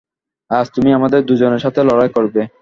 আজ তুমি আমাদের দুজনের সাথে লড়াই করবে।